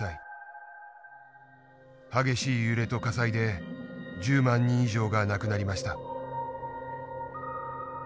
激しい揺れと火災で１０万人以上が亡くなりました。